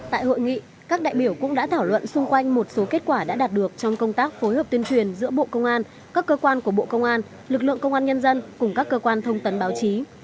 tại hội nghị các đại biểu cũng đã thảo luận xung quanh một số kết quả đã đạt được trong công tác phối hợp tuyên truyền giữa bộ công an các cơ quan của bộ công an lực lượng công an nhân dân cùng các cơ quan thông tấn báo chí